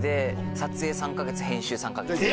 撮影３か月編集３か月。